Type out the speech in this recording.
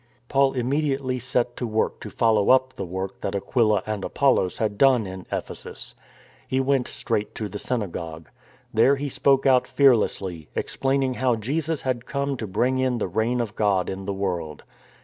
Paul immediately set to work to follow up the work that Aquila and Apollos had done in Ephesus. He went straight to the synagogue. There he spoke out fearlessly, explaining how Jesus had come to bring in the Reign of God in the world.